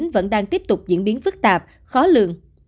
vẫn đang tiếp tục diễn biến phức tạp khó lường